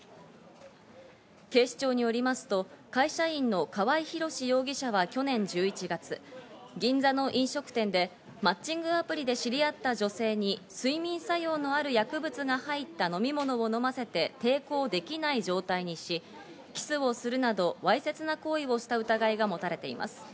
警視庁によりますと会社員の河井宏容疑者は去年１１月、銀座の飲食店でマッチングアプリで知り合った女性に睡眠作用のある薬物が入った飲み物を飲ませて抵抗できない状態にし、キスをするなど、わいせつな行為をした疑いが持たれています。